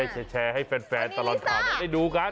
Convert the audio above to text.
แชร์ให้แฟนตลอดข่าวได้ดูกัน